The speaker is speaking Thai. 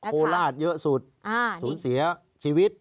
โคราชเยอะสุดสูญเสียชีวิต